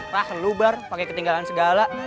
pak lu bar pake ketinggalan segala